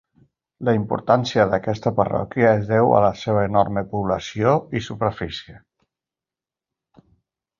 La importància d'aquesta parròquia es deu a la seva enorme població i superfície.